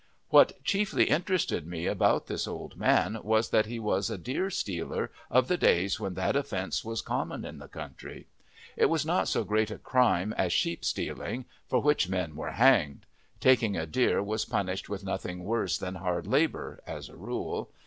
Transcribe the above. What chiefly interested me about this old man was that he was a deer stealer of the days when that offence was common in the country. It was not so great a crime as sheep stealing, for which men were hanged; taking a deer was punished with nothing worse than hard labour, as a rule.